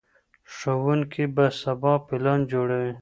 ښوونکي به سبا پلان جوړوي.